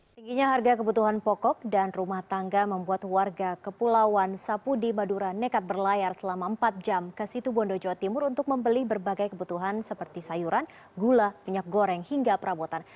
tingginya harga kebutuhan pokok dan rumah tangga membuat warga kepulauan sapudi madura nekat berlayar selama empat jam ke situ bondo jawa timur untuk membeli berbagai kebutuhan seperti sayuran gula minyak goreng hingga perabotan